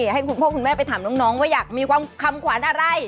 ให้พวกคุณแม่ไปถามน้องว่าอยากมีคำขวัญอะไร